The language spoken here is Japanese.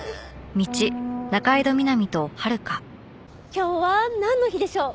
今日はなんの日でしょう？